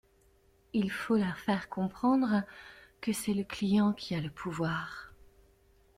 Il faut leur faire comprendre que c’est le client qui a le pouvoir.